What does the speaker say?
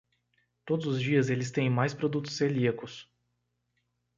Todos os dias eles têm mais produtos celíacos.